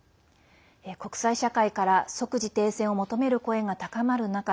国際社会から即時停戦を求める声が高まる中